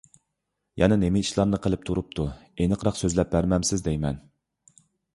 يەنە نېمە ئىشلارنى قىلىپ تۇرۇپتۇ؟ ئېنىقراق سۆزلەپ بەرمەمسىز دەيمەن!